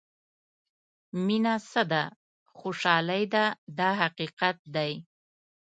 مینه څه ده خوشالۍ ده دا حقیقت دی.